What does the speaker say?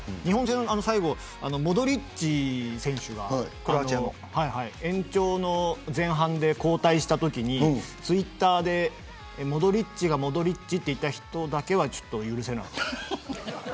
最後、モドリッチ選手が延長の前半で交代したときにツイッターでモドリッチが戻りっちと言った人だけはちょっと許せなかった。